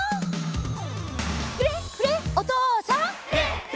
「フレッフレッおとうさん！」